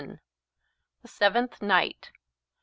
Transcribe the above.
SEVENTH NIGHT MR.